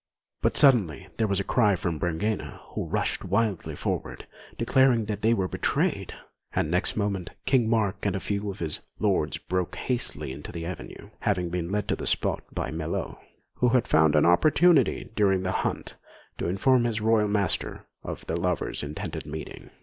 But suddenly there was a cry from Brangæna, who rushed wildly forward, declaring that they were betrayed; and next moment, King Mark and a few of his lords broke hastily into the avenue, having been led to the spot by Melot, who had found an opportunity during the hunt to inform his royal master of the lovers' intended meeting.